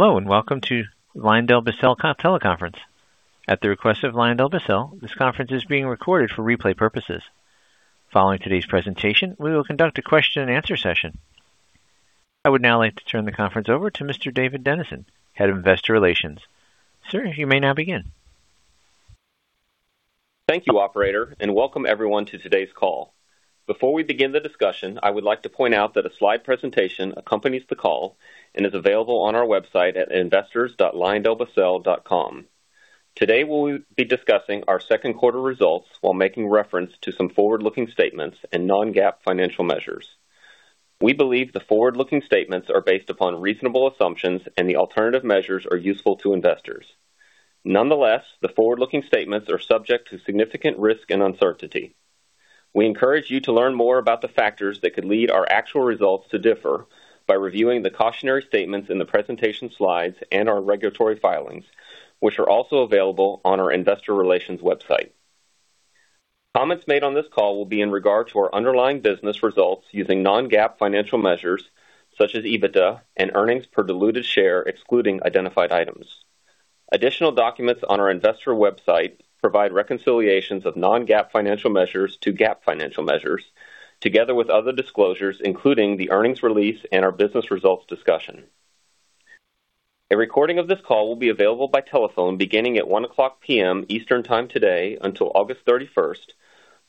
Hello, welcome to LyondellBasell teleconference. At the request of LyondellBasell, this conference is being recorded for replay purposes. Following today's presentation, we will conduct a question-and-answer session. I would now like to turn the conference over to Mr. David Dennison, Head of Investor Relations. Sir, you may now begin. Thank you, operator, welcome everyone to today's call. Before we begin the discussion, I would like to point out that a slide presentation accompanies the call and is available on our website at investors.lyondellbasell.com. Today, we'll be discussing our second quarter results while making reference to some forward-looking statements and non-GAAP financial measures. We believe the forward-looking statements are based upon reasonable assumptions. The alternative measures are useful to investors. Nonetheless, the forward-looking statements are subject to significant risk and uncertainty. We encourage you to learn more about the factors that could lead our actual results to differ by reviewing the cautionary statements in the presentation slides and our regulatory filings, which are also available on our investor relations website. Comments made on this call will be in regard to our underlying business results using non-GAAP financial measures such as EBITDA and earnings per diluted share, excluding identified items. Additional documents on our investor website provide reconciliations of non-GAAP financial measures to GAAP financial measures, together with other disclosures, including the earnings release and our business results discussion. A recording of this call will be available by telephone beginning at 1:00 P.M. Eastern Time today until August 31st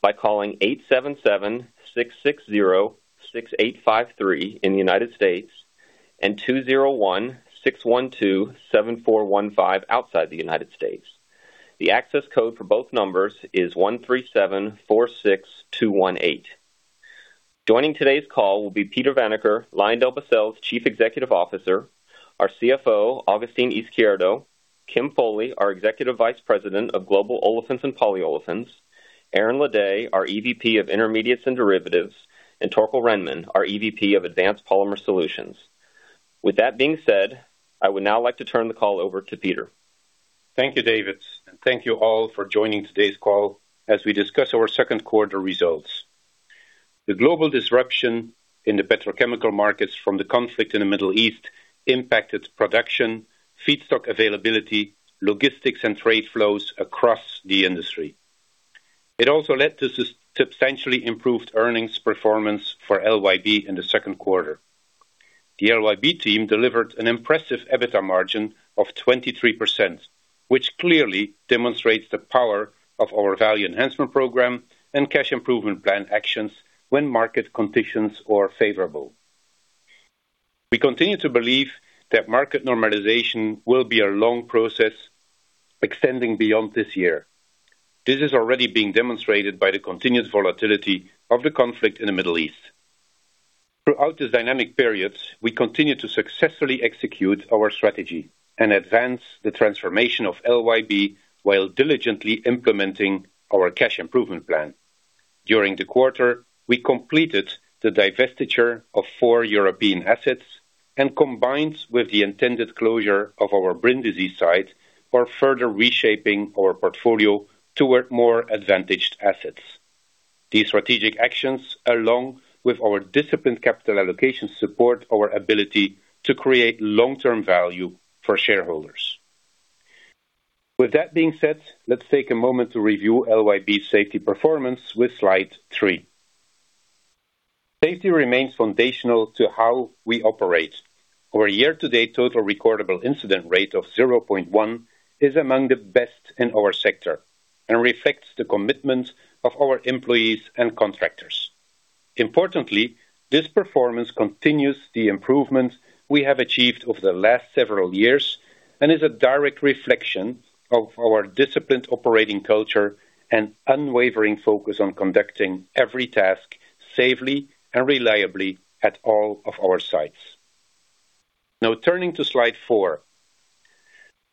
by calling 877-660-6853 in the United States and 201-612-7415 outside the United States. The access code for both numbers is 13746218. Joining today's call will be Peter Vanacker, LyondellBasell's Chief Executive Officer, our CFO, Agustín Izquierdo, Kim Foley, our Executive Vice President of Global Olefins and Polyolefins, Aaron Ledet, our EVP of Intermediates and Derivatives, and Torkel Rhenman, our EVP of Advanced Polymer Solutions. With that being said, I would now like to turn the call over to Peter. Thank you, David, and thank you all for joining today's call as we discuss our second quarter results. The global disruption in the petrochemical markets from the conflict in the Middle East impacted production, feedstock availability, logistics, and trade flows across the industry. It also led to substantially improved earnings performance for LYB in the second quarter. The LYB team delivered an impressive EBITDA margin of 23%, which clearly demonstrates the power of our value enhancement program and cash improvement plan actions when market conditions are favorable. We continue to believe that market normalization will be a long process extending beyond this year. This is already being demonstrated by the continued volatility of the conflict in the Middle East. Throughout these dynamic periods, we continue to successfully execute our strategy and advance the transformation of LYB while diligently implementing our cash improvement plan. During the quarter, we completed the divestiture of four European assets and combined with the intended closure of our Brindisi site are further reshaping our portfolio toward more advantaged assets. These strategic actions, along with our disciplined capital allocation, support our ability to create long-term value for shareholders. With that being said, let's take a moment to review LYB's safety performance with slide three. Safety remains foundational to how we operate. Our year-to-date total recordable incident rate of 0.1 is among the best in our sector and reflects the commitment of our employees and contractors. Importantly, this performance continues the improvement we have achieved over the last several years and is a direct reflection of our disciplined operating culture and unwavering focus on conducting every task safely and reliably at all of our sites. Now, turning to slide four.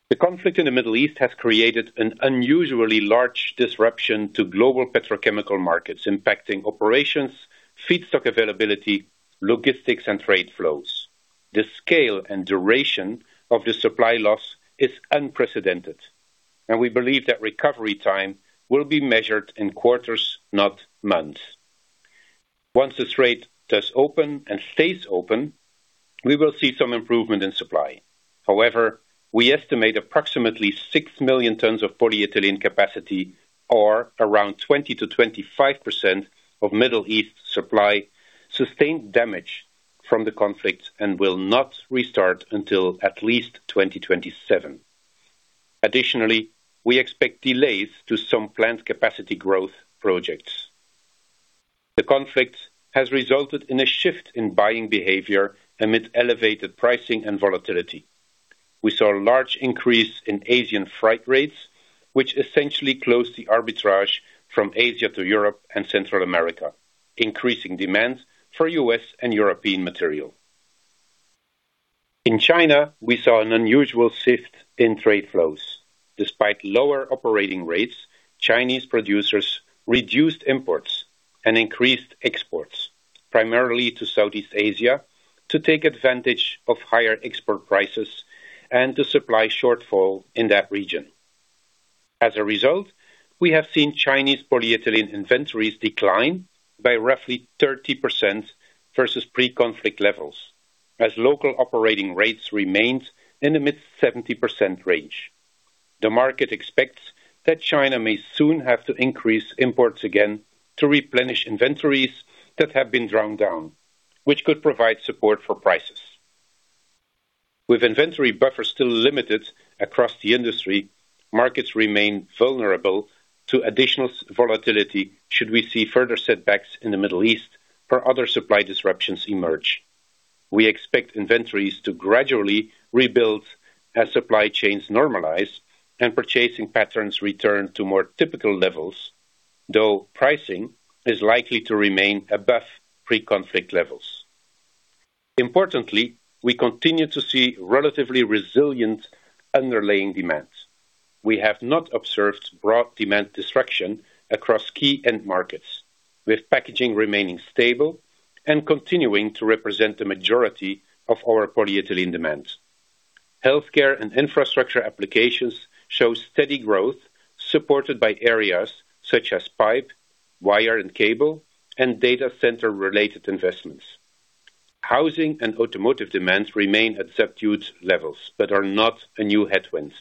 The conflict in the Middle East has created an unusually large disruption to global petrochemical markets, impacting operations, feedstock availability, logistics, and trade flows. The scale and duration of the supply loss is unprecedented, and we believe that recovery time will be measured in quarters, not months. Once the Strait does open and stays open, we will see some improvement in supply. However, we estimate approximately 6 million tons of polyethylene capacity or around 20%-25% of Middle East supply sustained damage from the conflict and will not restart until at least 2027. Additionally, we expect delays to some plant capacity growth projects. The conflict has resulted in a shift in buying behavior amid elevated pricing and volatility. We saw a large increase in Asian freight rates, which essentially closed the arbitrage from Asia to Europe and Central America, increasing demand for U.S. and European material. In China, we saw an unusual shift in trade flows. Despite lower operating rates, Chinese producers reduced imports and increased exports, primarily to Southeast Asia, to take advantage of higher export prices and the supply shortfall in that region. As a result, we have seen Chinese polyethylene inventories decline by roughly 30% versus pre-conflict levels as local operating rates remains in the mid 70% range. The market expects that China may soon have to increase imports again to replenish inventories that have been drawn down, which could provide support for prices. With inventory buffers still limited across the industry, markets remain vulnerable to additional volatility should we see further setbacks in the Middle East or other supply disruptions emerge. We expect inventories to gradually rebuild as supply chains normalize and purchasing patterns return to more typical levels, though pricing is likely to remain above pre-conflict levels. Importantly, we continue to see relatively resilient underlying demands. We have not observed broad demand destruction across key end markets, with packaging remaining stable and continuing to represent the majority of our polyethylene demand. Healthcare and infrastructure applications show steady growth, supported by areas such as pipe, wire and cable, and data center-related investments. Housing and automotive demands remain at subdued levels, but are not a new headwind.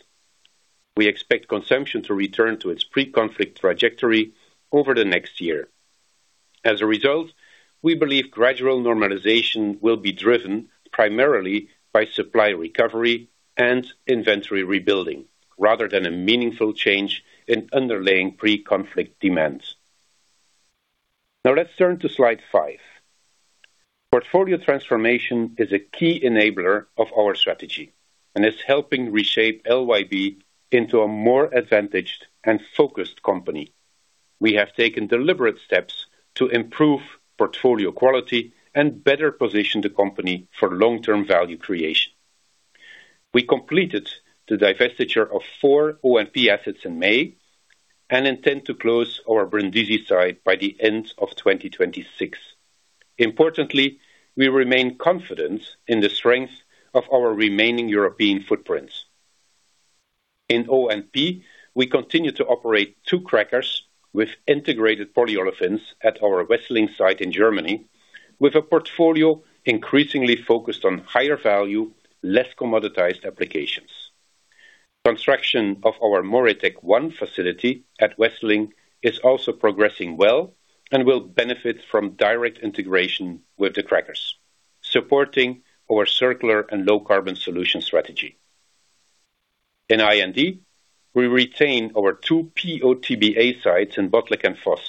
We expect consumption to return to its pre-conflict trajectory over the next year. As a result, we believe gradual normalization will be driven primarily by supply recovery and inventory rebuilding, rather than a meaningful change in underlying pre-conflict demands. Now let's turn to slide five. Portfolio transformation is a key enabler of our strategy and is helping reshape LYB into a more advantaged and focused company. We have taken deliberate steps to improve portfolio quality and better position the company for long-term value creation. We completed the divestiture of four O&P assets in May and intend to close our Brindisi site by the end of 2026. Importantly, we remain confident in the strength of our remaining European footprints. In O&P, we continue to operate two crackers with integrated polyolefins at our Wesseling site in Germany, with a portfolio increasingly focused on higher value, less commoditized applications. Construction of our MoReTec-1 facility at Wesseling is also progressing well and will benefit from direct integration with the crackers, supporting our circular and low carbon solution strategy. In I&D, we retain our two PO/TBA sites in Botlek and Fos,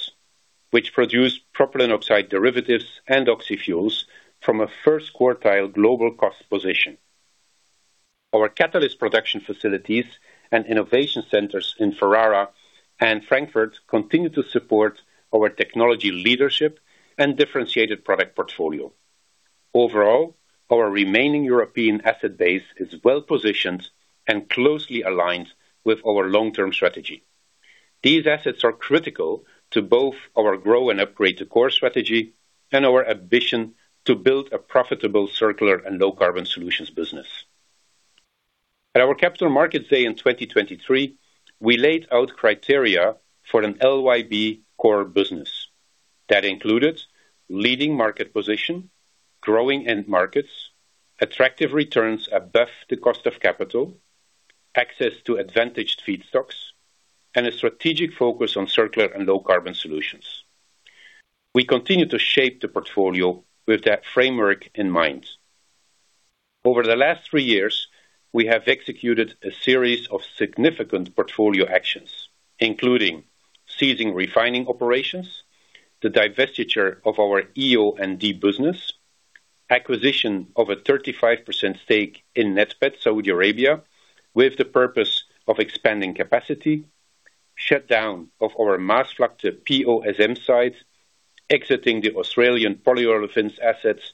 which produce propylene oxide derivatives and oxyfuels from a first quartile global cost position. Our catalyst production facilities and innovation centers in Ferrara and Frankfurt continue to support our technology leadership and differentiated product portfolio. Overall, our remaining European asset base is well positioned and closely aligned with our long-term strategy. These assets are critical to both our grow and upgrade core strategy and our ambition to build a profitable circular and low carbon solutions business. At our Capital Markets Day in 2023, we laid out criteria for an LYB core business that included leading market position, growing end markets, attractive returns above the cost of capital, access to advantaged feedstocks, and a strategic focus on circular and low carbon solutions. We continue to shape the portfolio with that framework in mind. Over the last three years, we have executed a series of significant portfolio actions, including ceasing refining operations, the divestiture of our EO&D business, acquisition of a 35% stake in NATPET, Saudi Arabia with the purpose of expanding capacity, shutdown of our Maasvlakte PO/SM site, exiting the Australian polyolefins assets,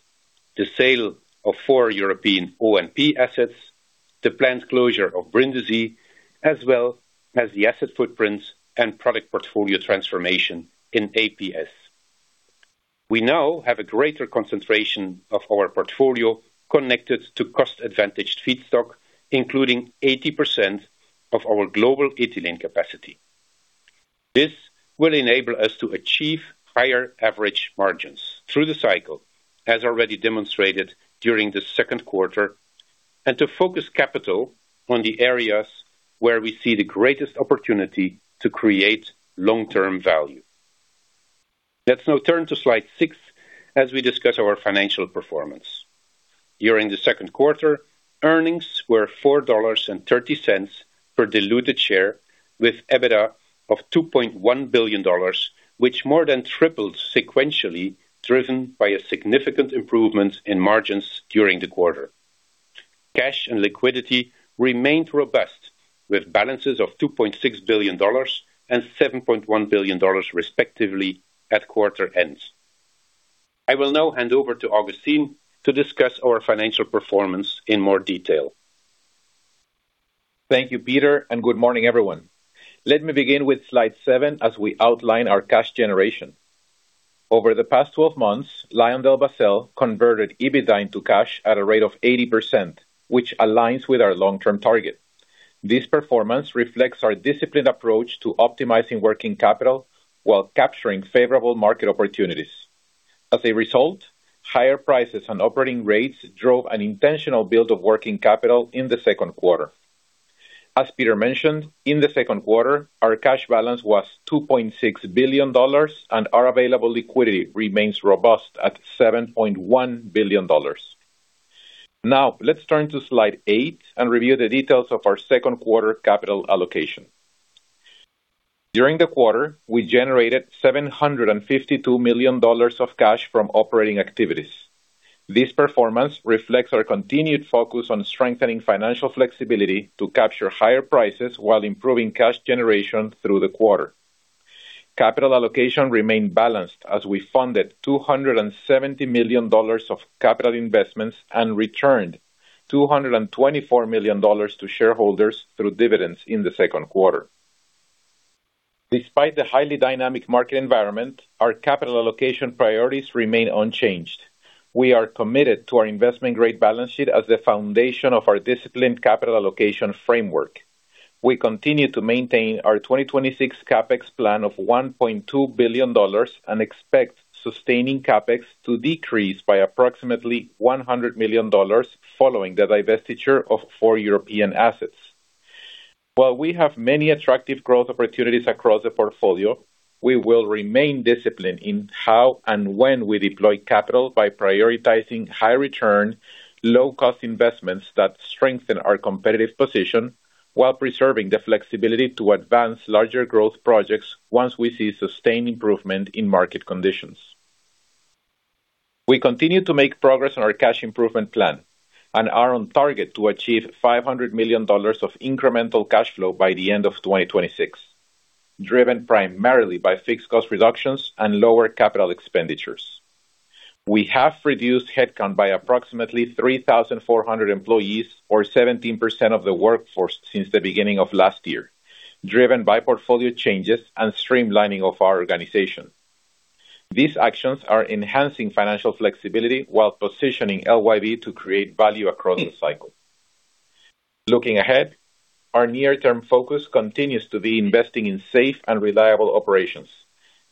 the sale of four European O&P assets, the planned closure of Brindisi, as well as the asset footprints and product portfolio transformation in APS. We now have a greater concentration of our portfolio connected to cost-advantaged feedstock, including 80% of our global ethylene capacity. This will enable us to achieve higher average margins through the cycle, as already demonstrated during the second quarter, and to focus capital on the areas where we see the greatest opportunity to create long-term value. Let's now turn to slide six as we discuss our financial performance. During the second quarter, earnings were $4.30 per diluted share, with EBITDA of $2.1 billion, which more than tripled sequentially, driven by a significant improvement in margins during the quarter. Cash and liquidity remained robust with balances of $2.6 billion and $7.1 billion, respectively, at quarter end. I will now hand over to Agustín to discuss our financial performance in more detail. Thank you, Peter, and good morning, everyone. Let me begin with slide seven as we outline our cash generation. Over the past 12 months, LyondellBasell converted EBITDA into cash at a rate of 80%, which aligns with our long-term target. This performance reflects our disciplined approach to optimizing working capital while capturing favorable market opportunities. As a result, higher prices and operating rates drove an intentional build of working capital in the second quarter. As Peter mentioned, in the second quarter, our cash balance was $2.6 billion, and our available liquidity remains robust at $7.1 billion. Let's turn to slide eight and review the details of our second quarter capital allocation. During the quarter, we generated $752 million of cash from operating activities. This performance reflects our continued focus on strengthening financial flexibility to capture higher prices while improving cash generation through the quarter. Capital allocation remained balanced as we funded $270 million of capital investments and returned $224 million to shareholders through dividends in the second quarter. Despite the highly dynamic market environment, our capital allocation priorities remain unchanged. We are committed to our investment-grade balance sheet as the foundation of our disciplined capital allocation framework. We continue to maintain our 2026 CapEx plan of $1.2 billion and expect sustaining CapEx to decrease by approximately $100 million following the divestiture of four European assets. While we have many attractive growth opportunities across the portfolio, we will remain disciplined in how and when we deploy capital by prioritizing high return, low-cost investments that strengthen our competitive position while preserving the flexibility to advance larger growth projects once we see sustained improvement in market conditions. We continue to make progress on our cash improvement plan and are on target to achieve $500 million of incremental cash flow by the end of 2026, driven primarily by fixed cost reductions and lower capital expenditures. We have reduced headcount by approximately 3,400 employees or 17% of the workforce since the beginning of last year, driven by portfolio changes and streamlining of our organization. These actions are enhancing financial flexibility while positioning LYB to create value across the cycle. Looking ahead, our near-term focus continues to be investing in safe and reliable operations,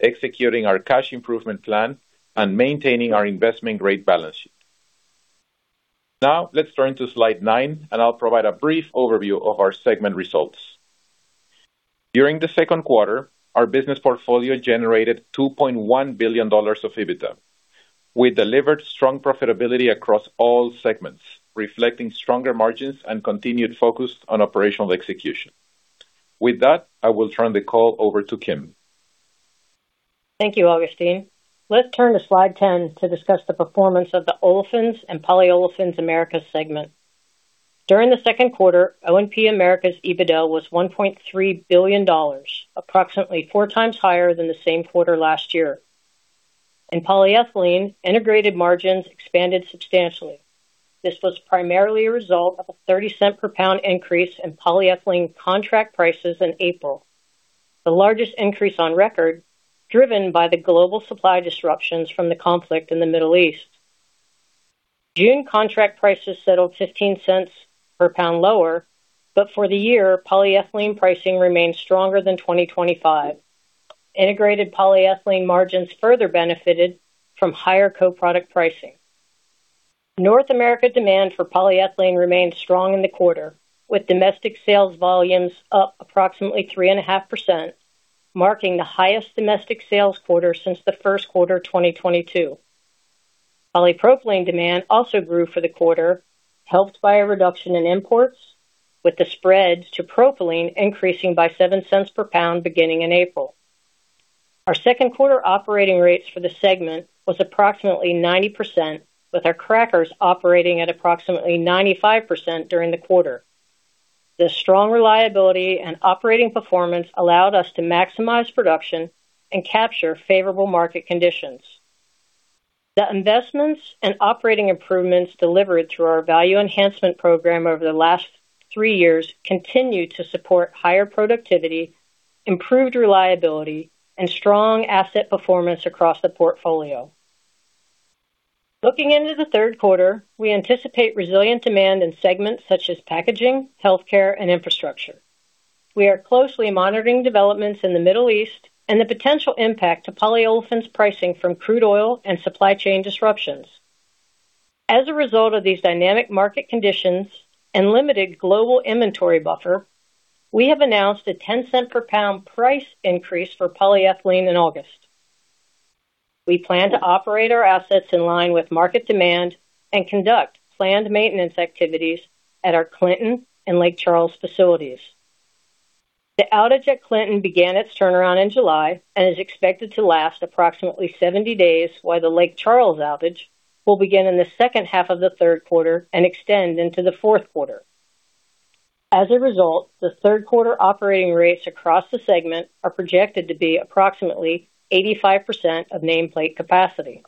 executing our cash improvement plan, and maintaining our investment-grade balance sheet. Let's turn to slide nine, and I'll provide a brief overview of our segment results. During the second quarter, our business portfolio generated $2.1 billion of EBITDA. We delivered strong profitability across all segments, reflecting stronger margins and continued focus on operational execution. With that, I will turn the call over to Kim. Thank you, Agustín. Let's turn to slide 10 to discuss the performance of the Olefins and Polyolefins Americas segment. During the second quarter, O&P Americas EBITDA was $1.3 billion, approximately 4x higher than the same quarter last year. In polyethylene, integrated margins expanded substantially. This was primarily a result of a $0.30 per pound increase in polyethylene contract prices in April, the largest increase on record, driven by the global supply disruptions from the conflict in the Middle East. June contract prices settled $0.15 per pound lower, for the year, polyethylene pricing remained stronger than 2025. Integrated polyethylene margins further benefited from higher co-product pricing. North America demand for polyethylene remained strong in the quarter, with domestic sales volumes up approximately 3.5%, marking the highest domestic sales quarter since the first quarter of 2022. Polypropylene demand also grew for the quarter, helped by a reduction in imports, with the spread to propylene increasing by $0.07 per pound beginning in April. Our second quarter operating rates for the segment was approximately 90%, with our crackers operating at approximately 95% during the quarter. The strong reliability and operating performance allowed us to maximize production and capture favorable market conditions. The investments and operating improvements delivered through our value enhancement program over the last three years continue to support higher productivity, improved reliability, and strong asset performance across the portfolio. Looking into the third quarter, we anticipate resilient demand in segments such as packaging, healthcare, and infrastructure. We are closely monitoring developments in the Middle East and the potential impact to polyolefins pricing from crude oil and supply chain disruptions. As a result of these dynamic market conditions and limited global inventory buffer, we have announced a $0.10 per pound price increase for polyethylene in August. We plan to operate our assets in line with market demand and conduct planned maintenance activities at our Clinton and Lake Charles facilities. The outage at Clinton began its turnaround in July and is expected to last approximately 70 days, while the Lake Charles outage will begin in the second half of the third quarter and extend into the fourth quarter. As a result, the third quarter operating rates across the segment are projected to be approximately 85% of nameplate capacity.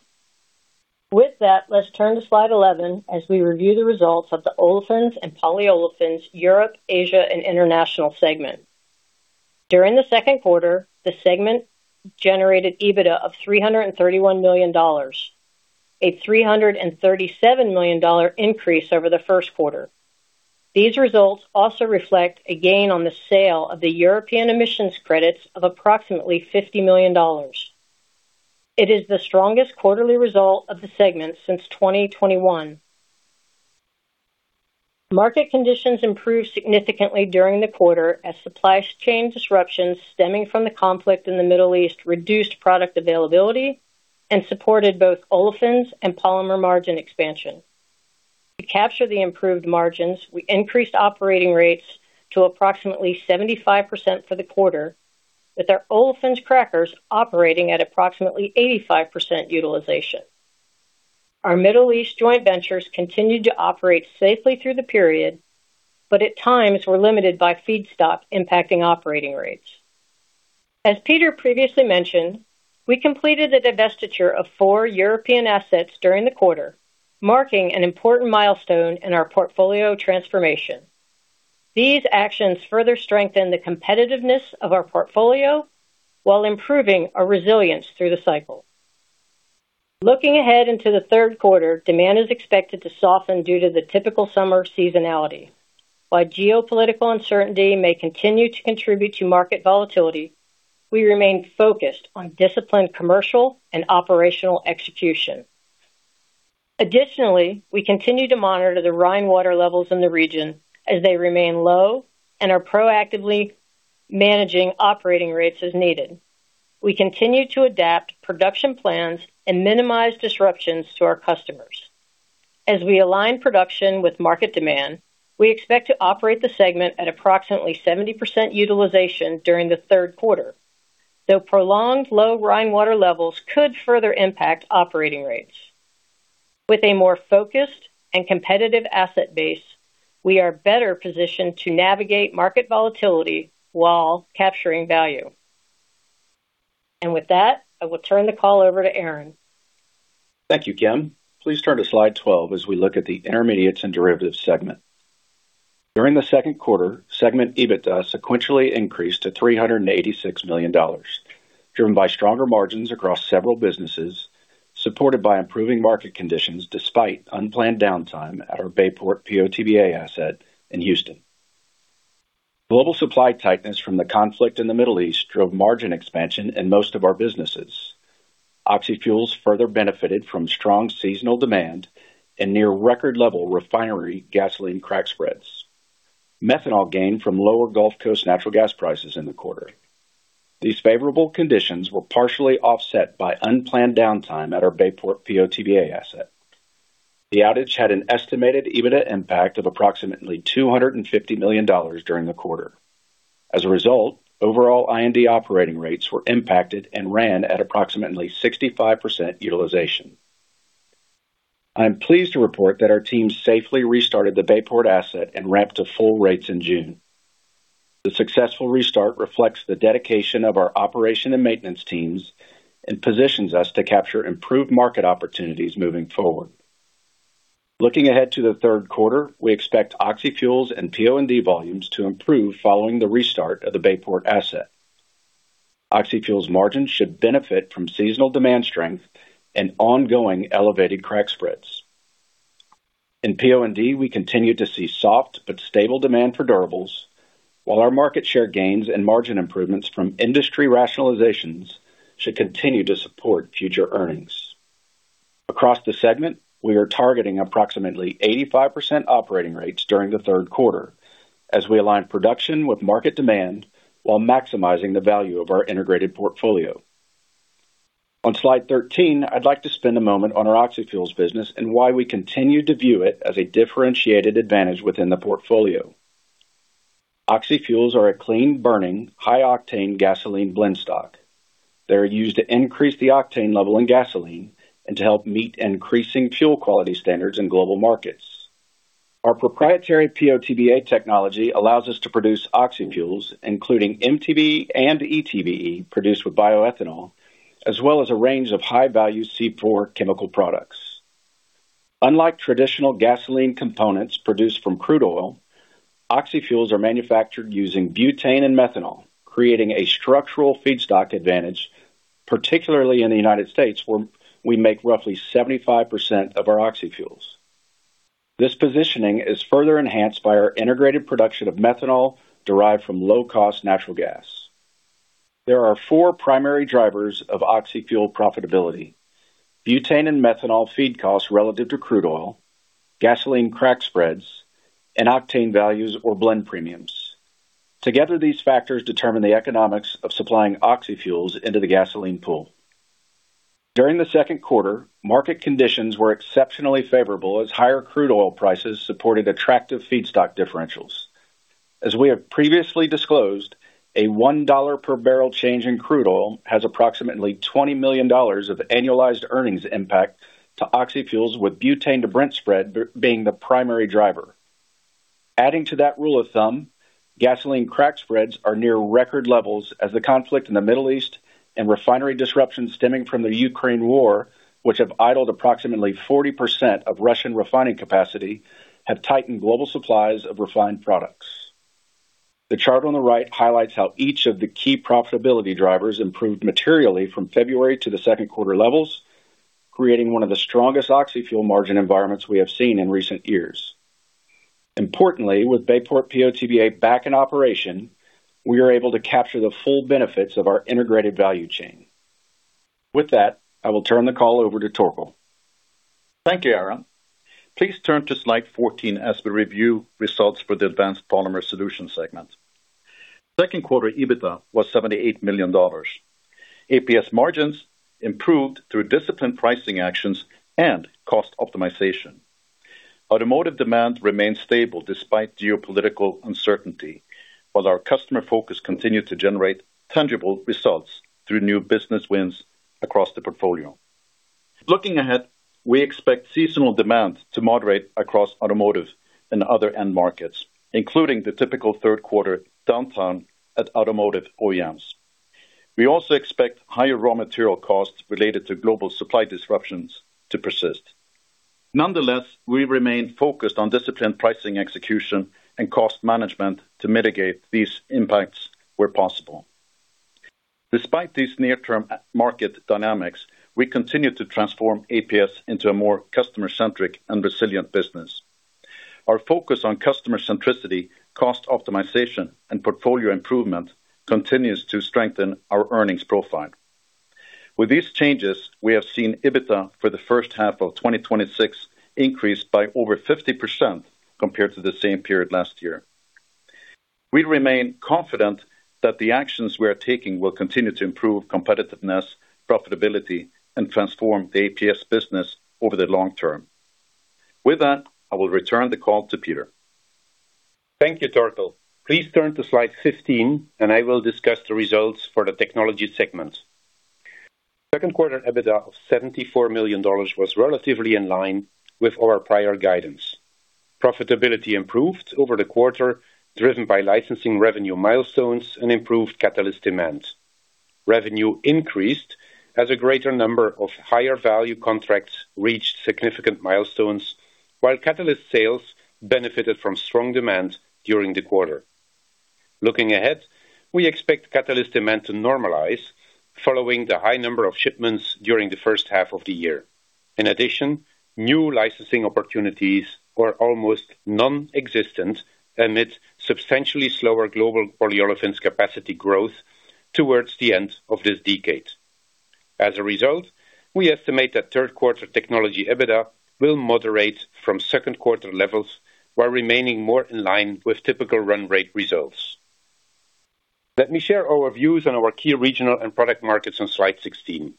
With that, let's turn to slide 11 as we review the results of the Olefins and Polyolefins Europe, Asia, and International segment. During the second quarter, the segment generated EBITDA of $331 million, a $337 million increase over the first quarter. These results also reflect a gain on the sale of the European emissions credits of approximately $50 million. It is the strongest quarterly result of the segment since 2021. Market conditions improved significantly during the quarter as supply chain disruptions stemming from the conflict in the Middle East reduced product availability and supported both olefins and polymer margin expansion. To capture the improved margins, we increased operating rates to approximately 75% for the quarter, with our olefins crackers operating at approximately 85% utilization. Our Middle East joint ventures continued to operate safely through the period, but at times were limited by feedstock impacting operating rates. As Peter previously mentioned, we completed the divestiture of four European assets during the quarter, marking an important milestone in our portfolio transformation. These actions further strengthen the competitiveness of our portfolio while improving our resilience through the cycle. Looking ahead into the third quarter, demand is expected to soften due to the typical summer seasonality. While geopolitical uncertainty may continue to contribute to market volatility, we remain focused on disciplined commercial and operational execution. Additionally, we continue to monitor the Rhine water levels in the region as they remain low and are proactively managing operating rates as needed. We continue to adapt production plans and minimize disruptions to our customers. As we align production with market demand, we expect to operate the segment at approximately 70% utilization during the third quarter, though prolonged low Rhine water levels could further impact operating rates. With a more focused and competitive asset base, we are better positioned to navigate market volatility while capturing value. With that, I will turn the call over to Aaron. Thank you, Kim. Please turn to slide 12 as we look at the Intermediates and Derivatives segment. During the second quarter, segment EBITDA sequentially increased to $386 million, driven by stronger margins across several businesses, supported by improving market conditions despite unplanned downtime at our Bayport PO/TBA asset in Houston. Global supply tightness from the conflict in the Middle East drove margin expansion in most of our businesses. Oxyfuels further benefited from strong seasonal demand and near record level refinery gasoline crack spreads. Methanol gained from lower Gulf Coast natural gas prices in the quarter. These favorable conditions were partially offset by unplanned downtime at our Bayport PO/TBA asset. The outage had an estimated EBITDA impact of approximately $250 million during the quarter. As a result, overall I&D operating rates were impacted and ran at approximately 65% utilization. I am pleased to report that our team safely restarted the Bayport asset and ramped to full rates in June. The successful restart reflects the dedication of our operation and maintenance teams and positions us to capture improved market opportunities moving forward. Looking ahead to the third quarter, we expect oxyfuels and PO&D volumes to improve following the restart of the Bayport asset. Oxyfuels margins should benefit from seasonal demand strength and ongoing elevated crack spreads. In PO&D, we continue to see soft but stable demand for durables, while our market share gains and margin improvements from industry rationalizations should continue to support future earnings. Across the segment, we are targeting approximately 85% operating rates during the third quarter as we align production with market demand while maximizing the value of our integrated portfolio. On slide 13, I'd like to spend a moment on our oxyfuels business and why we continue to view it as a differentiated advantage within the portfolio. Oxyfuels are a clean-burning, high-octane gasoline blend stock. They are used to increase the octane level in gasoline and to help meet increasing fuel quality standards in global markets. Our proprietary PO/TBA technology allows us to produce oxyfuels, including MTBE and ETBE, produced with bioethanol, as well as a range of high-value C4 chemical products. Unlike traditional gasoline components produced from crude oil, oxyfuels are manufactured using butane and methanol, creating a structural feedstock advantage, particularly in the U.S., where we make roughly 75% of our oxyfuels. This positioning is further enhanced by our integrated production of methanol derived from low-cost natural gas. There are four primary drivers of oxyfuel profitability: butane and methanol feed costs relative to crude oil, gasoline crack spreads, and octane values or blend premiums. Together, these factors determine the economics of supplying oxyfuels into the gasoline pool. During the second quarter, market conditions were exceptionally favorable as higher crude oil prices supported attractive feedstock differentials. As we have previously disclosed, a $1 per barrel change in crude oil has approximately $20 million of annualized earnings impact to oxyfuels, with butane to Brent spread being the primary driver. Adding to that rule of thumb, gasoline crack spreads are near record levels as the conflict in the Middle East and refinery disruptions stemming from the Ukraine war, which have idled approximately 40% of Russian refining capacity, have tightened global supplies of refined products. The chart on the right highlights how each of the key profitability drivers improved materially from February to the second quarter levels, creating one of the strongest oxyfuel margin environments we have seen in recent years. Importantly, with Bayport PO/TBA back in operation, we are able to capture the full benefits of our integrated value chain. With that, I will turn the call over to Torkel. Thank you, Aaron. Please turn to slide 14 as we review results for the Advanced Polymer Solutions segment. Second quarter EBITDA was $78 million. APS margins improved through disciplined pricing actions and cost optimization. Automotive demand remained stable despite geopolitical uncertainty. While our customer focus continued to generate tangible results through new business wins across the portfolio. Looking ahead, we expect seasonal demand to moderate across automotive and other end markets, including the typical third quarter downturn at automotive OEMs. We also expect higher raw material costs related to global supply disruptions to persist. Nonetheless, we remain focused on disciplined pricing execution and cost management to mitigate these impacts where possible. Despite these near-term market dynamics, we continue to transform APS into a more customer-centric and resilient business. Our focus on customer centricity, cost optimization, and portfolio improvement continues to strengthen our earnings profile. With these changes, we have seen EBITDA for the first half of 2026 increased by over 50% compared to the same period last year. We remain confident that the actions we are taking will continue to improve competitiveness, profitability, and transform the APS business over the long term. With that, I will return the call to Peter. Thank you, Torkel. Please turn to slide 15, and I will discuss the results for the technology segment. Second quarter EBITDA of $74 million was relatively in line with our prior guidance. Profitability improved over the quarter, driven by licensing revenue milestones and improved catalyst demand. Revenue increased as a greater number of higher value contracts reached significant milestones, while catalyst sales benefited from strong demand during the quarter. Looking ahead, we expect catalyst demand to normalize following the high number of shipments during the first half of the year. New licensing opportunities were almost non-existent amid substantially slower global polyolefins capacity growth towards the end of this decade. We estimate that third quarter technology EBITDA will moderate from second quarter levels while remaining more in line with typical run-rate results. Let me share our views on our key regional and product markets on slide 16.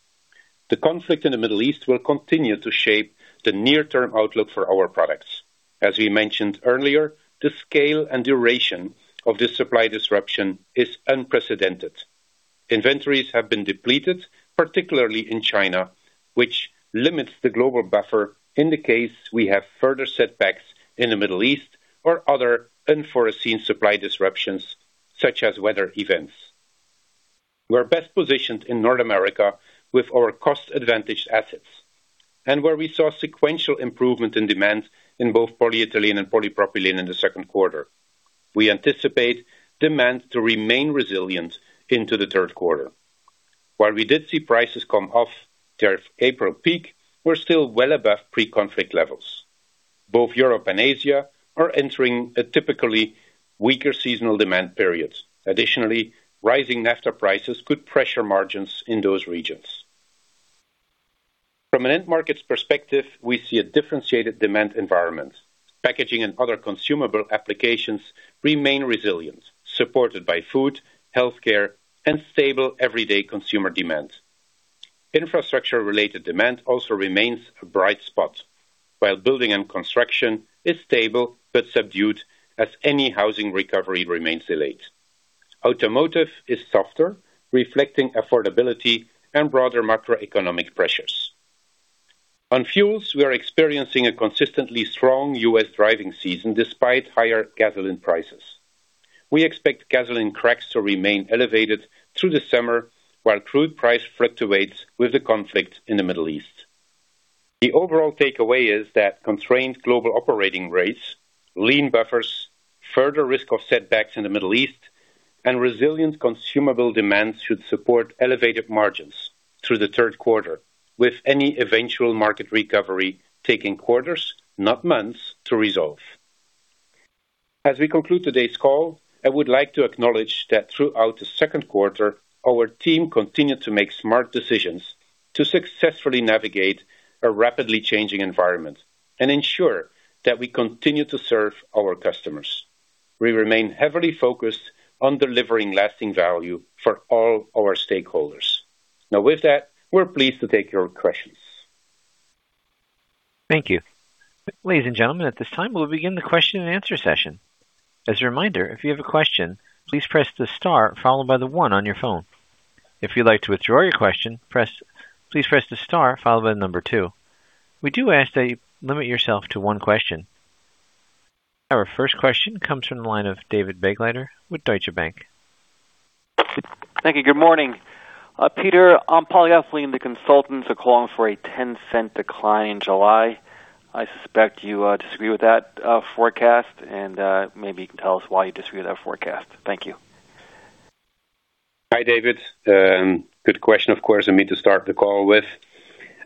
The conflict in the Middle East will continue to shape the near-term outlook for our products. As we mentioned earlier, the scale and duration of this supply disruption is unprecedented. Inventories have been depleted, particularly in China, which limits the global buffer in the case we have further setbacks in the Middle East or other unforeseen supply disruptions, such as weather events. We're best positioned in North America with our cost-advantaged assets and where we saw sequential improvement in demand in both polyethylene and polypropylene in the second quarter. We anticipate demand to remain resilient into the third quarter. While we did see prices come off their April peak, we're still well above pre-conflict levels. Both Europe and Asia are entering a typically weaker seasonal demand period. Rising naphtha prices could pressure margins in those regions. From an end markets perspective, we see a differentiated demand environment. Packaging and other consumable applications remain resilient, supported by food, healthcare, and stable everyday consumer demand. Infrastructure-related demand also remains a bright spot, while building and construction is stable but subdued as any housing recovery remains delayed. Automotive is softer, reflecting affordability and broader macroeconomic pressures. On fuels, we are experiencing a consistently strong US driving season despite higher gasoline prices. We expect gasoline cracks to remain elevated through the summer, while crude price fluctuates with the conflict in the Middle East. The overall takeaway is that constrained global operating rates, lean buffers, further risk of setbacks in the Middle East, and resilient consumable demand should support elevated margins through the third quarter, with any eventual market recovery taking quarters, not months, to resolve. As we conclude today's call, I would like to acknowledge that throughout the second quarter, our team continued to make smart decisions to successfully navigate a rapidly changing environment and ensure that we continue to serve our customers. We remain heavily focused on delivering lasting value for all our stakeholders. With that, we're pleased to take your questions. Thank you. Ladies and gentlemen, at this time, we'll begin the question-and-answer session. As a reminder, if you have a question, please press the star followed by the one on your phone. If you'd like to withdraw your question, please press the star followed by the number two. We do ask that you limit yourself to one question. Our first question comes from the line of David Begleiter with Deutsche Bank. Thank you. Good morning. Peter, on polyethylene, the consultants are calling for a $0.10 decline in July. I suspect you disagree with that forecast and maybe you can tell us why you disagree with that forecast. Thank you. Hi, David. Good question, of course, for me to start the call with.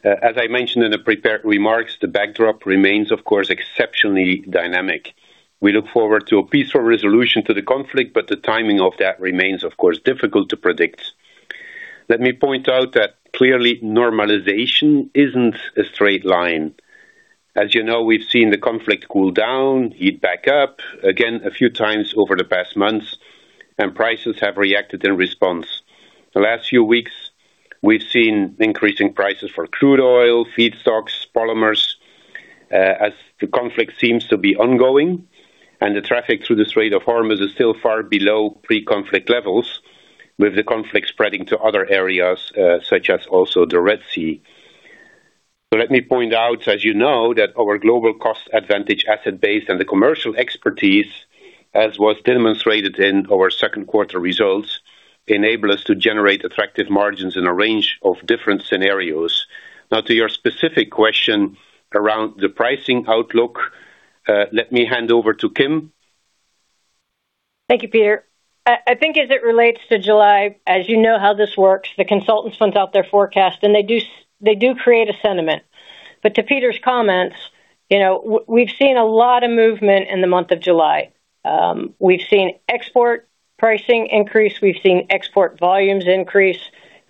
As I mentioned in the prepared remarks, the backdrop remains, of course, exceptionally dynamic. We look forward to a peaceful resolution to the conflict, but the timing of that remains, of course, difficult to predict. Let me point out that clearly normalization isn't a straight line. As you know, we've seen the conflict cool down, heat back up again a few times over the past months, and prices have reacted in response. The last few weeks, we've seen increasing prices for crude oil, feedstocks, polymers, as the conflict seems to be ongoing and the traffic through the Strait of Hormuz is still far below pre-conflict levels, with the conflict spreading to other areas, such as also the Red Sea. Let me point out, as you know, that our global cost advantage asset base and the commercial expertise, as was demonstrated in our second quarter results, enable us to generate attractive margins in a range of different scenarios. To your specific question around the pricing outlook, let me hand over to Kim. Thank you, Peter. I think as it relates to July, as you know how this works, the consultants went out their forecast and they do create a sentiment. To Peter's comments, we've seen a lot of movement in the month of July. We've seen export pricing increase. We've seen export volumes increase,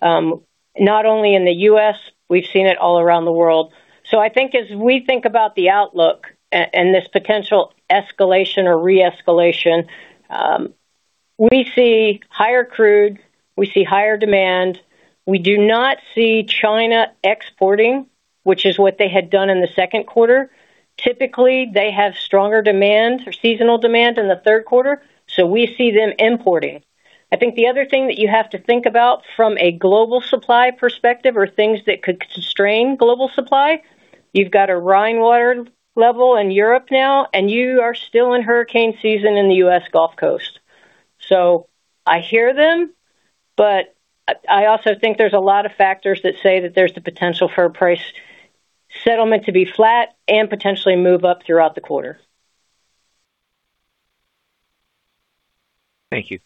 not only in the U.S., we've seen it all around the world. I think as we think about the outlook and this potential escalation or re-escalation, we see higher crude, we see higher demand. We do not see China exporting, which is what they had done in the second quarter. Typically, they have stronger demand or seasonal demand in the third quarter, so we see them importing. I think the other thing that you have to think about from a global supply perspective are things that could constrain global supply. You've got a Rhine water level in Europe now, and you are still in hurricane season in the U.S. Gulf Coast. I hear them, I also think there's a lot of factors that say that there's the potential for a price settlement to be flat and potentially move up throughout the quarter. Thank you.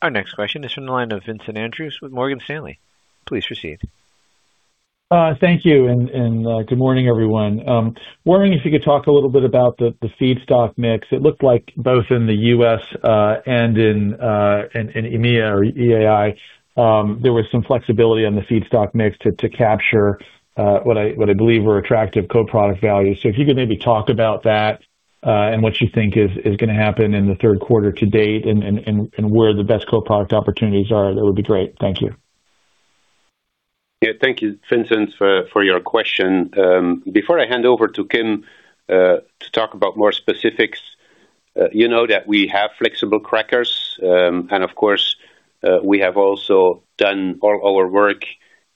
Our next question is from the line of Vincent Andrews with Morgan Stanley. Please proceed. Thank you, and good morning, everyone. Wondering if you could talk a little bit about the feedstock mix. It looked like both in the U.S., and in EMEA or EAI, there was some flexibility on the feedstock mix to capture what I believe were attractive co-product values. If you could maybe talk about that, and what you think is going to happen in the third quarter-to-date and where the best co-product opportunities are, that would be great. Thank you. Yeah. Thank you, Vincent, for your question. Before I hand over to Kim to talk about more specifics, you know that we have flexible crackers, and of course, we have also done all our work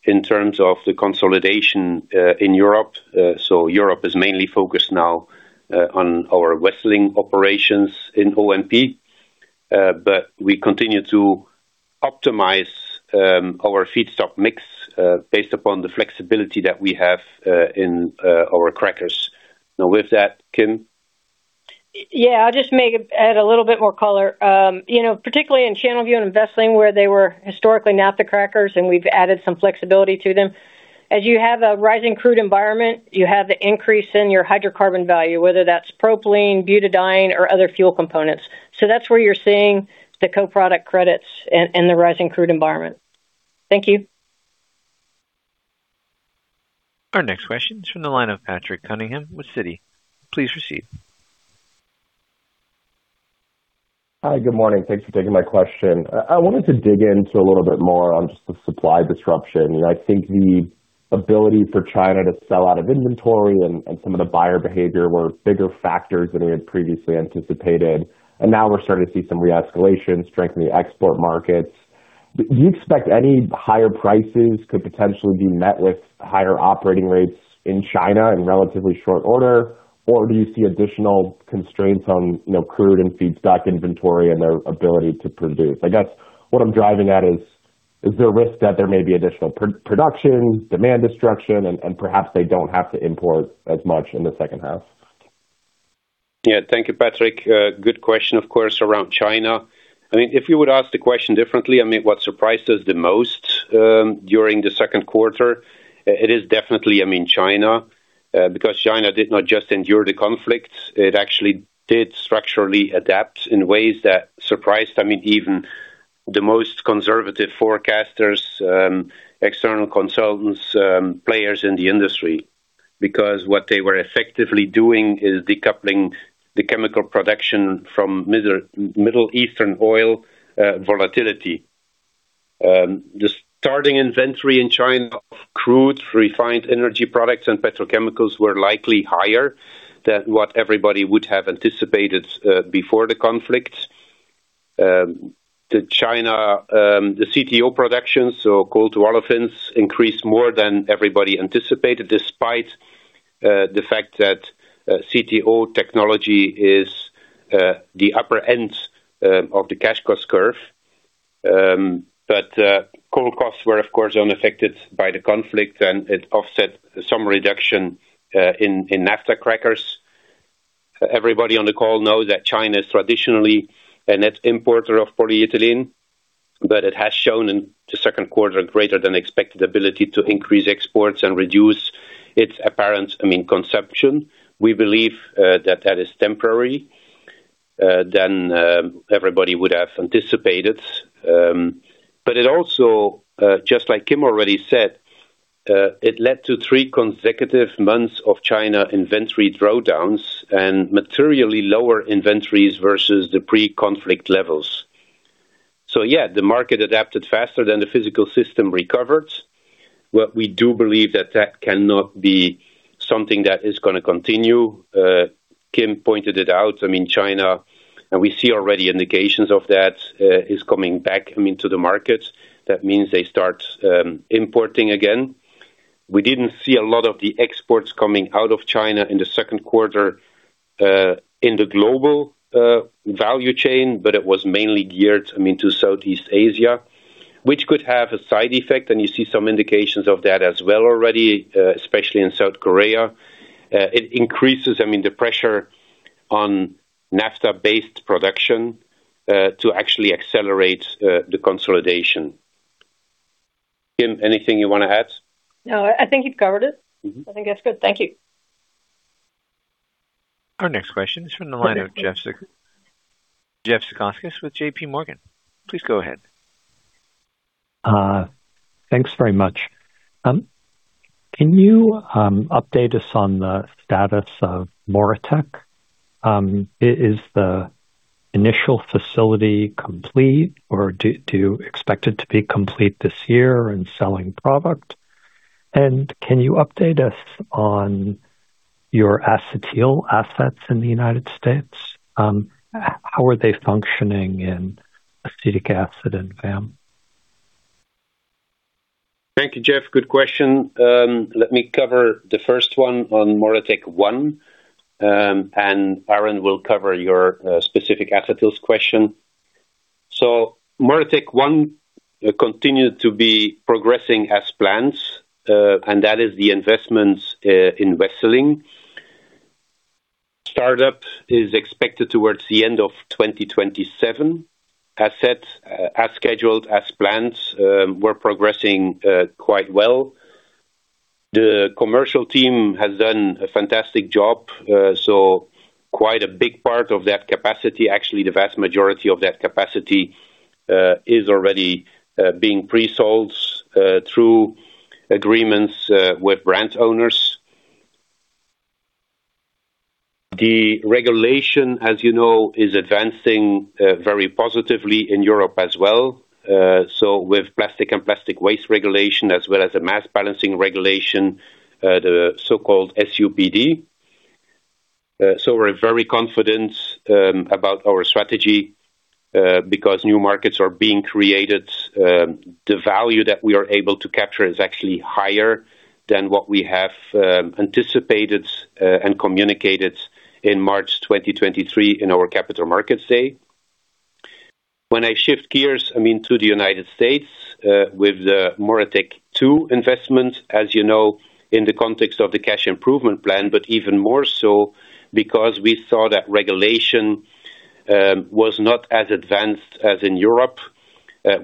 in terms of the consolidation in Europe. Europe is mainly focused now on our Wesseling operations in O&P. We continue to optimize our feedstock mix based upon the flexibility that we have in our crackers. Now, with that, Kim. Yeah. I'll just add a little bit more color. Particularly in Channelview and Wesseling, where they were historically naphtha crackers, and we've added some flexibility to them. As you have a rising crude environment, you have the increase in your hydrocarbon value, whether that's propylene, butadiene, or other fuel components. That's where you're seeing the co-product credits and the rising crude environment. Thank you. Our next question is from the line of Patrick Cunningham with Citi. Please proceed. Hi. Good morning. Thanks for taking my question. I wanted to dig into a little bit more on just the supply disruption. I think the ability for China to sell out of inventory and some of the buyer behavior were bigger factors than we had previously anticipated, and now we're starting to see some re-escalation, strength in the export markets. Do you expect any higher prices could potentially be met with higher operating rates in China in relatively short order, or do you see additional constraints on crude and feedstock inventory and their ability to produce? I guess what I'm driving at is there a risk that there may be additional production, demand destruction, and perhaps they don't have to import as much in the second half? Yeah. Thank you, Patrick. Good question, of course, around China. If you would ask the question differently, what surprised us the most during the second quarter, it is definitely China. China did not just endure the conflict, it actually did structurally adapt in ways that surprised even the most conservative forecasters, external consultants, players in the industry. What they were effectively doing is decoupling the chemical production from Middle Eastern oil volatility. The starting inventory in China of crude, refined energy products, and petrochemicals were likely higher than what everybody would have anticipated before the conflict. The CTO production, so coal to olefins, increased more than everybody anticipated, despite the fact that CTO technology is the upper end of the cash cost curve. Coal costs were, of course, unaffected by the conflict, and it offset some reduction in naphtha crackers. Everybody on the call knows that China is traditionally a net importer of polyethylene, it has shown in the second quarter greater than expected ability to increase exports and reduce its apparent consumption. We believe that that is temporary than everybody would have anticipated. It also, just like Kim already said, it led to three consecutive months of China inventory drawdowns and materially lower inventories versus the pre-conflict levels. Yeah, the market adapted faster than the physical system recovered. What we do believe that that cannot be something that is going to continue. Kim pointed it out. China, and we see already indications of that, is coming back into the market. That means they start importing again. We didn't see a lot of the exports coming out of China in the second quarter in the global value chain, it was mainly geared into Southeast Asia, which could have a side effect, and you see some indications of that as well already, especially in South Korea. It increases the pressure on naphtha-based production to actually accelerate the consolidation. Kim, anything you want to add? No, I think you've covered it. I think that's good. Thank you. Our next question is from the line of Jeff Zekauskas with JPMorgan. Please go ahead. Thanks very much. Can you update us on the status of MoReTec? Is the initial facility complete, or do you expect it to be complete this year and selling product? Can you update us on your acetyl assets in the U.S.? How are they functioning in acetic acid and VAM? Thank you, Jeff. Good question. Let me cover the first one on MoReTec-1, and Aaron will cover your specific acetyls question. MoReTec-1 continued to be progressing as planned, and that is the investment in Wesseling. Startup is expected towards the end of 2027. Assets, as scheduled as planned, we're progressing quite well. The commercial team has done a fantastic job, so quite a big part of that capacity, actually, the vast majority of that capacity, is already being pre-sold through agreements with brand owners. The regulation, as you know, is advancing very positively in Europe as well. With plastic and plastic waste regulation, as well as a mass balancing regulation, the so-called SUPD. We're very confident about our strategy because new markets are being created. The value that we are able to capture is actually higher than what we have anticipated and communicated in March 2023 in our Capital Markets Day. When I shift gears to the U.S. with the MoReTec 2 investment, as you know, in the context of the cash improvement plan, but even more so because we saw that regulation was not as advanced as in Europe.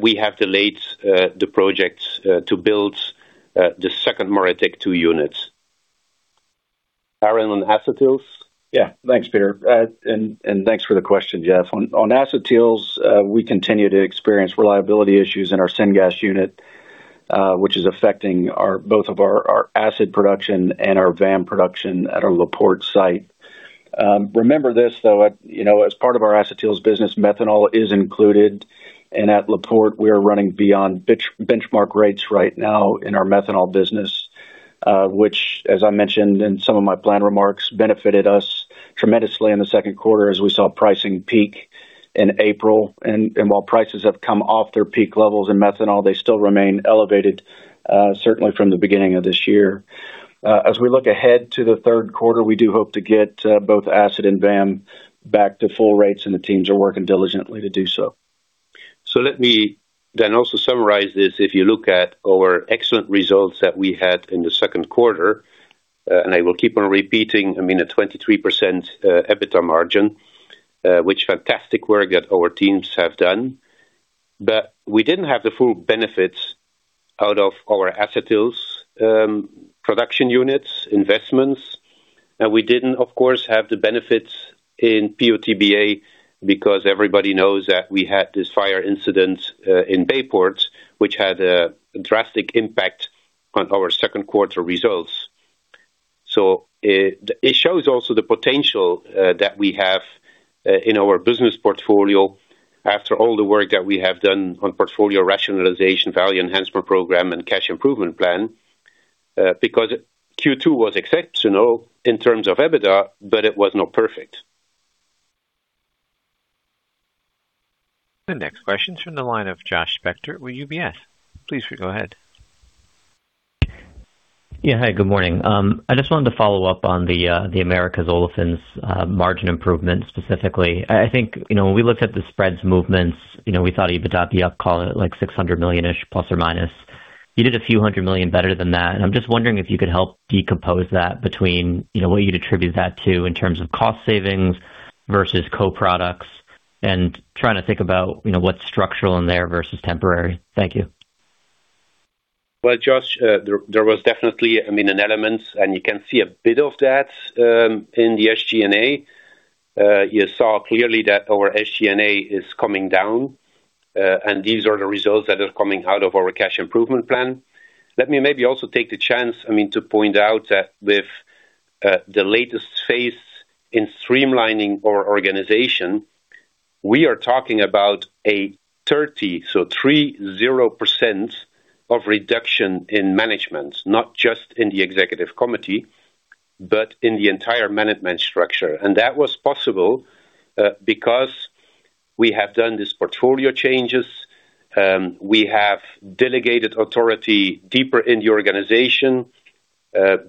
We have delayed the project to build the second MoReTec 2 unit. Aaron, on acetyls. Yeah. Thanks, Peter. Thanks for the question, Jeff. On acetyls, we continue to experience reliability issues in our syngas unit, which is affecting both of our acid production and our VAM production at our LaPorte site. Remember this, though, as part of our acetyls business, methanol is included. At LaPorte, we are running beyond benchmark rates right now in our methanol business, which, as I mentioned in some of my planned remarks, benefited us tremendously in the second quarter as we saw pricing peak in April. While prices have come off their peak levels in methanol, they still remain elevated, certainly from the beginning of this year. As we look ahead to the third quarter, we do hope to get both acid and VAM back to full rates, and the teams are working diligently to do so. Let me then also summarize this. If you look at our excellent results that we had in the second quarter, and I will keep on repeating, a 23% EBITDA margin, which fantastic work that our teams have done. We didn't have the full benefits out of our acetyls production units investments. We didn't, of course, have the benefits in PO/TBA because everybody knows that we had this fire incident in Bayport, which had a drastic impact on our second quarter results. It shows also the potential that we have in our business portfolio, after all the work that we have done on portfolio rationalization, value enhancement program, and cash improvement plan, because Q2 was exceptional in terms of EBITDA, but it was not perfect. The next question is from the line of Josh Spector with UBS. Please go ahead. Yeah. Hi, good morning. I just wanted to follow up on the Americas olefins margin improvement specifically. I think, when we looked at the spreads movements, we thought EBITDA be up, call it like $600± million-ish. You did a few hundred million better than that. I'm just wondering if you could help decompose that between what you'd attribute that to in terms of cost savings versus co-products, and trying to think about what's structural in there versus temporary. Thank you. Well, Josh, there was definitely an element. You can see a bit of that in the SG&A. You saw clearly that our SG&A is coming down, and these are the results that are coming out of our cash improvement plan. Let me maybe also take the chance to point out that with the latest phase in streamlining our organization, we are talking about a 30, so 30% of reduction in management, not just in the Executive Committee, but in the entire management structure. That was possible because we have done these portfolio changes. We have delegated authority deeper in the organization,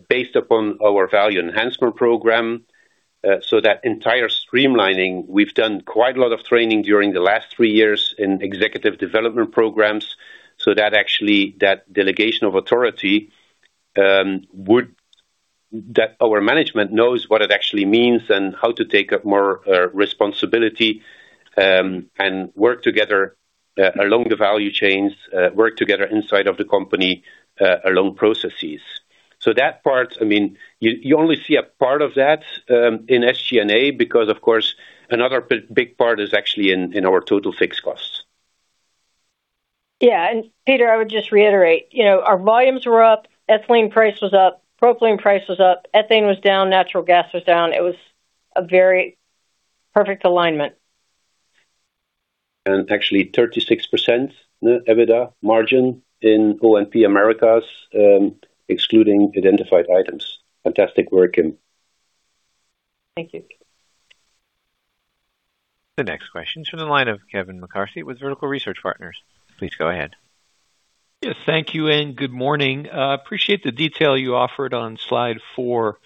based upon our value enhancement program. That entire streamlining, we've done quite a lot of training during the last three years in Executive Development Programs, so that delegation of authority, our management knows what it actually means and how to take up more responsibility, and work together along the value chains, work together inside of the company, along processes. That part, you only see a part of that in SG&A because, of course, another big part is actually in our total fixed costs. Yeah. Peter, I would just reiterate. Our volumes were up, ethylene price was up, propylene price was up, ethane was down, natural gas was down. It was a very perfect alignment. Actually 36% EBITDA margin in O&P-Americas, excluding identified items. Fantastic work in. Thank you. The next question's from the line of Kevin McCarthy with Vertical Research Partners. Please go ahead. Yes. Thank you, and good morning. Appreciate the detail you offered on slide four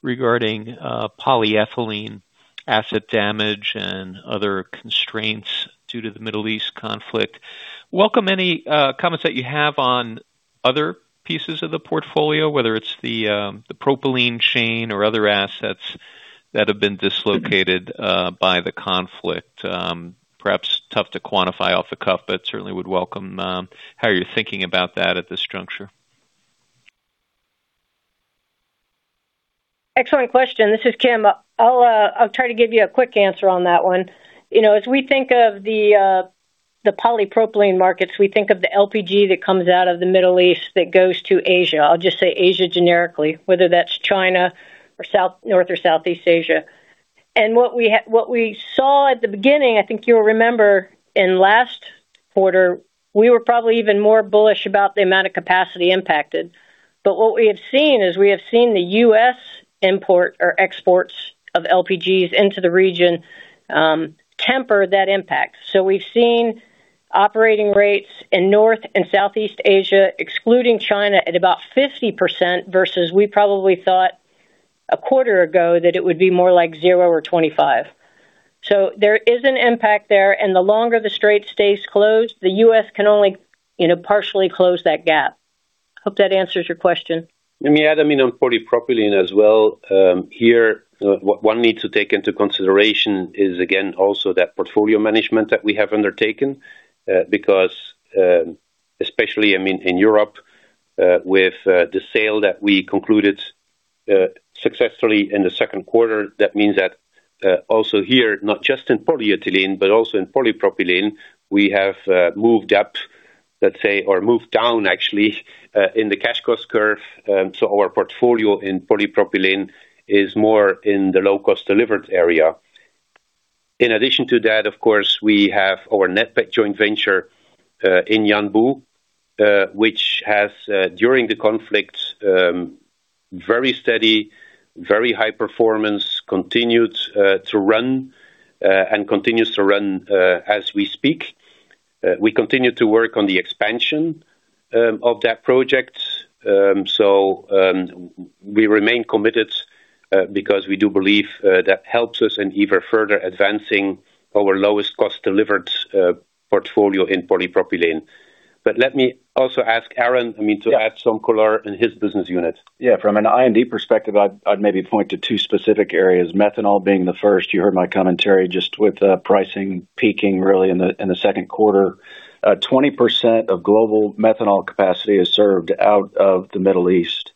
regarding polyethylene asset damage and other constraints due to the Middle East conflict. Welcome any comments that you have on other pieces of the portfolio, whether it's the propylene chain or other assets that have been dislocated by the conflict. Perhaps tough to quantify off the cuff, certainly would welcome how you're thinking about that at this juncture. Excellent question. This is Kim. I'll try to give you a quick answer on that one. As we think of the polypropylene markets, we think of the LPG that comes out of the Middle East that goes to Asia. I'll just say Asia generically, whether that's China or North or Southeast Asia. What we saw at the beginning, I think you'll remember in last quarter, we were probably even more bullish about the amount of capacity impacted. What we have seen is, we have seen the US import or exports of LPGs into the region temper that impact. We've seen operating rates in North and Southeast Asia, excluding China, at about 50% versus we probably thought a quarter ago that it would be more like 0 or 25. There is an impact there, and the longer the Strait stays closed, the U.S. can only partially close that gap. Hope that answers your question. Let me add on polypropylene as well. Here, one need to take into consideration is, again, also that portfolio management that we have undertaken. Especially, in Europe, with the sale that we concluded successfully in the second quarter, that means that also here, not just in polyethylene, but also in polypropylene, we have moved up, let's say, or moved down actually, in the cash cost curve. Our portfolio in polypropylene is more in the low cost delivered area. In addition to that, of course, we have our NATPET joint venture, in Yanbu, which has, during the conflict, very steady, very high performance, continued to run, and continues to run as we speak. We continue to work on the expansion of that project. We remain committed, because we do believe that helps us in even further advancing our lowest cost delivered portfolio in polypropylene. Let me also ask Aaron to add some color in his business unit. From an I&D perspective, I'd maybe point to two specific areas. Methanol being the first. You heard my commentary just with pricing peaking really in the second quarter. 20% of global methanol capacity is served out of the Middle East,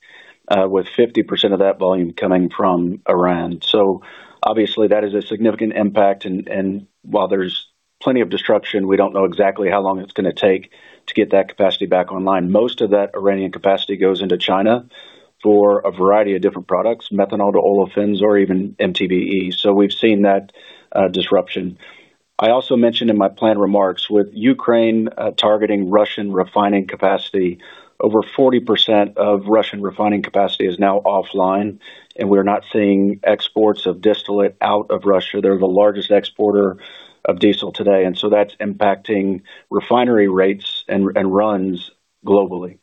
with 50% of that volume coming from Iran. Obviously that is a significant impact, and while there's plenty of destruction, we don't know exactly how long it's going to take to get that capacity back online. Most of that Iranian capacity goes into China for a variety of different products, methanol to olefins or even MTBE. We've seen that disruption. I also mentioned in my prepared remarks, with Ukraine targeting Russian refining capacity, over 40% of Russian refining capacity is now offline, and we're not seeing exports of distillate out of Russia. They're the largest exporter of diesel today, and so that's impacting refinery rates and runs globally.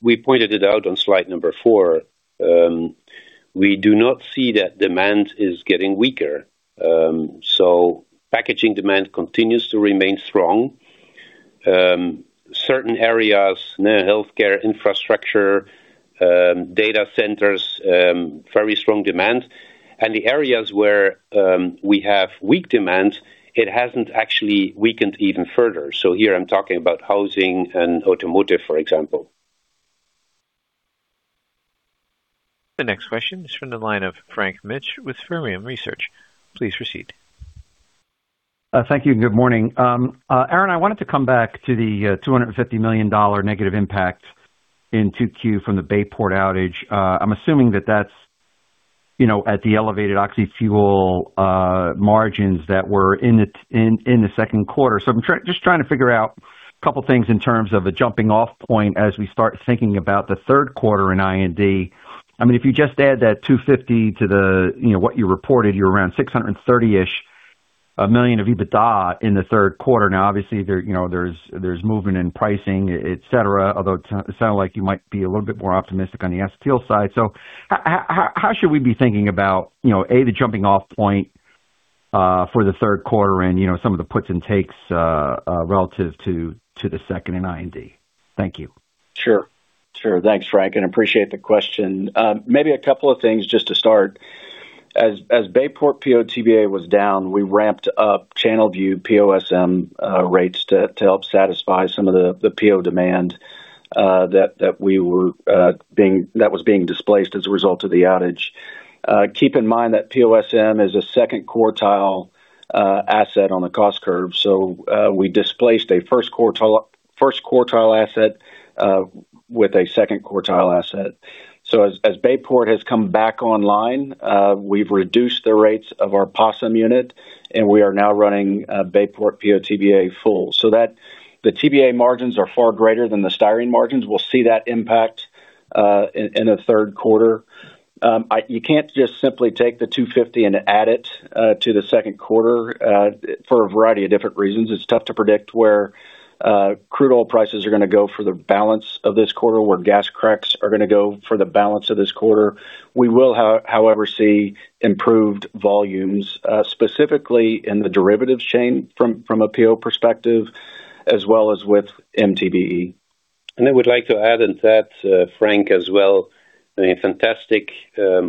We pointed it out on slide number four. We do not see that demand is getting weaker. Packaging demand continues to remain strong. Certain areas, healthcare, infrastructure, data centers, very strong demand. The areas where we have weak demand, it hasn't actually weakened even further. Here I'm talking about housing and automotive, for example. The next question is from the line of Frank Mitsch with Fermium Research. Please proceed. Thank you. Good morning. Aaron, I wanted to come back to the $250 million negative impact in 2Q from the Bayport outage. I'm assuming that that's at the elevated oxy-fuel margins that were in the second quarter. I'm just trying to figure out a couple of things in terms of a jumping off point as we start thinking about the third quarter in I&D. If you just add that $250 to what you reported, you're around $630-ish million of EBITDA in the third quarter. Obviously, there's movement in pricing, et cetera, although it sounded like you might be a little bit more optimistic on the acetyl side. How should we be thinking about, A, the jumping off point for the third quarter and some of the puts and takes relative to the second in I&D? Thank you. Sure. Thanks, Frank, and appreciate the question. Maybe a couple of things just to start. As Bayport PO/TBA was down, we ramped up Channelview PO/SM rates to help satisfy some of the PO demand that was being displaced as a result of the outage. Keep in mind that PO/SM is a second quartile asset on the cost curve. We displaced a first quartile asset with a second quartile asset. As Bayport has come back online, we've reduced the rates of our PO/SM unit, and we are now running Bayport PO/TBA full. The TBA margins are far greater than the styrene margins. We'll see that impact in the third quarter. You can't just simply take the $250 and add it to the second quarter for a variety of different reasons. It's tough to predict where crude oil prices are going to go for the balance of this quarter, where gas cracks are going to go for the balance of this quarter. We will, however, see improved volumes, specifically in the derivatives chain from a PO perspective, as well as with MTBE. I would like to add into that, Frank, as well. I mean, fantastic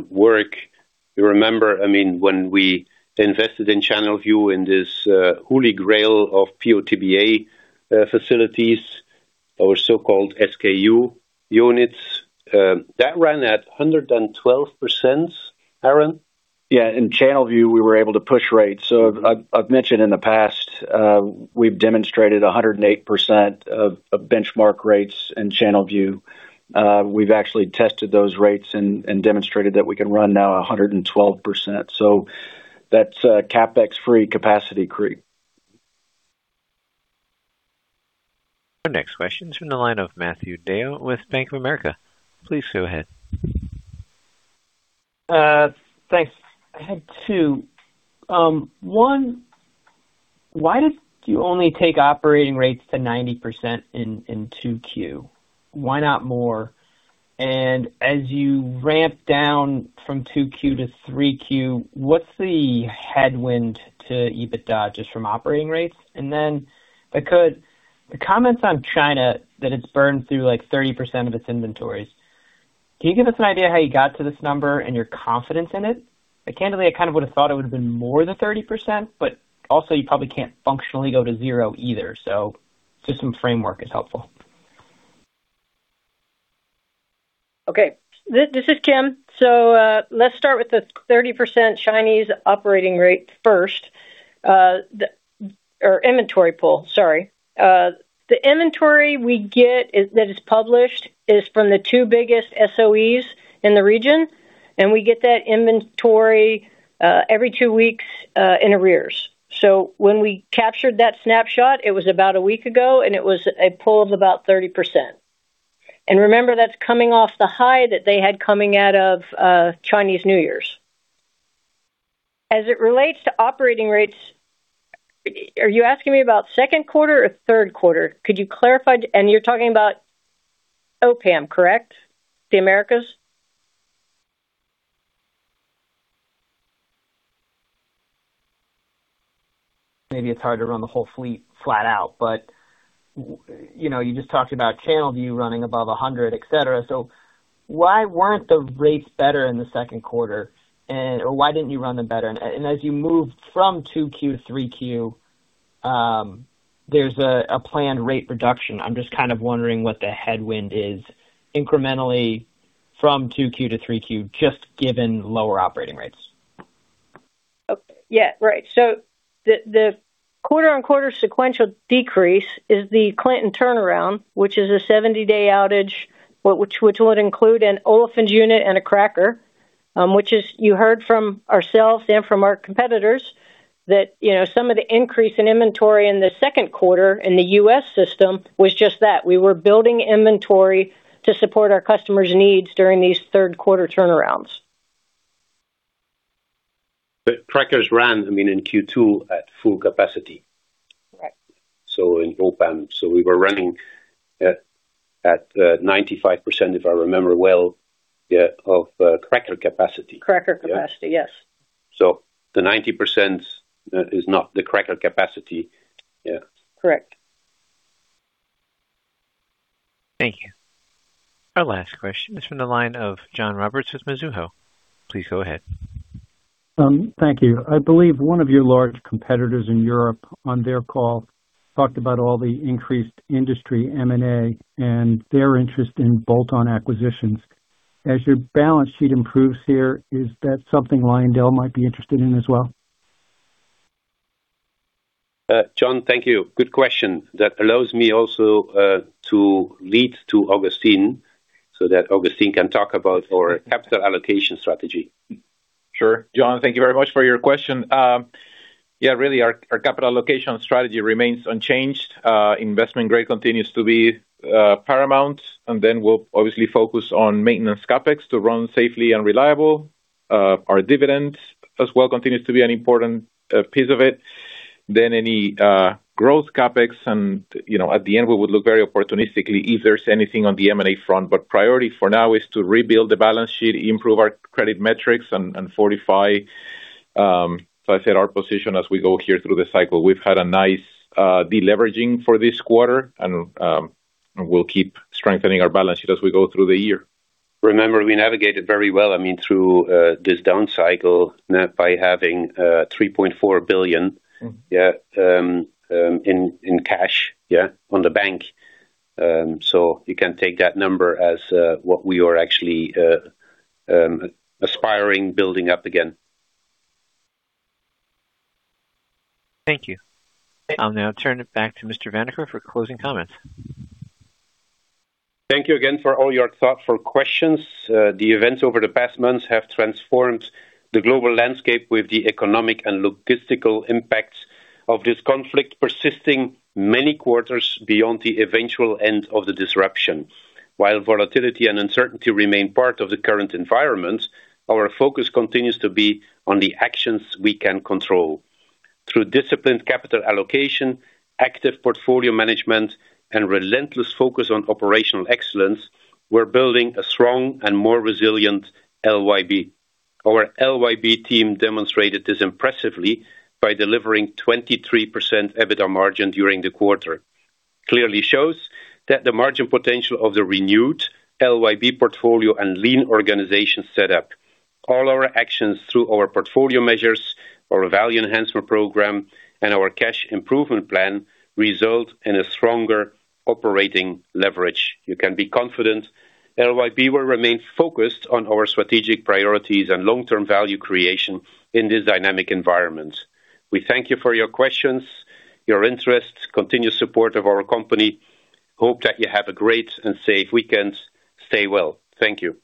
work. You remember when we invested in Channelview in this holy grail of PO/TBA facilities, our so-called SKU units. That ran at 112%, Aaron? Yeah. In Channelview, we were able to push rates. I've mentioned in the past, we've demonstrated 108% of benchmark rates in Channelview. We've actually tested those rates and demonstrated that we can run now 112%. That's CapEx free capacity creep. Our next question is from the line of Matthew DeYoe with Bank of America. Please go ahead. Thanks. I had two. One, why did you only take operating rates to 90% in 2Q? Why not more? As you ramp down from 2Q-3Q, what's the headwind to EBITDA just from operating rates? The comments on China that it's burned through 30% of its inventories. Can you give us an idea how you got to this number and your confidence in it? Candidly, I kind of would have thought it would have been more than 30%, but also you probably can't functionally go to zero either. Just some framework is helpful. This is Kim. Let's start with the 30% Chinese operating rate first. Or inventory pool, sorry. The inventory we get that is published is from the two biggest SOEs in the region, and we get that inventory every two weeks in arrears. When we captured that snapshot, it was about a week ago, and it was a pull of about 30%. Remember, that's coming off the high that they had coming out of Chinese New Year's. As it relates to operating rates, are you asking me about second quarter or third quarter? Could you clarify? You're talking about O&P-Americas, correct? The Americas? Maybe it's hard to run the whole fleet flat out, you just talked about Channelview running above 100, et cetera. Why weren't the rates better in the second quarter? Why didn't you run them better? As you moved from 2Q-3Q There's a planned rate reduction. I'm just kind of wondering what the headwind is incrementally from 2Q-3Q, just given lower operating rates. Yeah, right. The quarter-on-quarter sequential decrease is the Clinton turnaround, which is a 70-day outage, which would include an olefins unit and a cracker. You heard from ourselves and from our competitors that some of the increase in inventory in the second quarter in the U.S. system was just that. We were building inventory to support our customers' needs during these third quarter turnarounds. The crackers ran in Q2 at full capacity. Correct. In both ends. We were running at 95%, if I remember well, yeah, of cracker capacity. Cracker capacity, yes. The 90% is not the cracker capacity. Yeah. Correct. Thank you. Our last question is from the line of John Roberts with Mizuho. Please go ahead. Thank you. I believe one of your large competitors in Europe on their call talked about all the increased industry M&A and their interest in bolt-on acquisitions. As your balance sheet improves here, is that something Lyondell might be interested in as well? John, thank you. Good question. That allows me also to lead to Agustín, so that Agustín can talk about our capital allocation strategy. Sure. John, thank you very much for your question. Really, our capital allocation strategy remains unchanged. Investment grade continues to be paramount, we'll obviously focus on maintenance CapEx to run safely and reliable. Our dividends as well continues to be an important piece of it. Any growth CapEx and at the end, we would look very opportunistically if there's anything on the M&A front. Priority for now is to rebuild the balance sheet, improve our credit metrics, and fortify, as I said, our position as we go here through the cycle. We've had a nice de-leveraging for this quarter, and we'll keep strengthening our balance sheet as we go through the year. Remember, we navigated very well through this down cycle by having $3.4 billion in cash on the bank. You can take that number as what we are actually aspiring building up again. Thank you. I'll now turn it back to Mr. Vanacker for closing comments. Thank you again for all your thoughtful questions. The events over the past months have transformed the global landscape with the economic and logistical impacts of this conflict persisting many quarters beyond the eventual end of the disruption. While volatility and uncertainty remain part of the current environment, our focus continues to be on the actions we can control. Through disciplined capital allocation, active portfolio management, and relentless focus on operational excellence, we're building a strong and more resilient LYB. Our LYB team demonstrated this impressively by delivering 23% EBITDA margin during the quarter. Clearly shows that the margin potential of the renewed LYB portfolio and lean organization set up all our actions through our portfolio measures, our value enhancement program, and our cash improvement plan result in a stronger operating leverage. You can be confident LYB will remain focused on our strategic priorities and long-term value creation in this dynamic environment. We thank you for your questions, your interest, continuous support of our company. Hope that you have a great and safe weekend. Stay well. Thank you.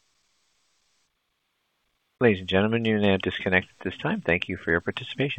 Ladies and gentlemen, you may disconnect at this time. Thank you for your participation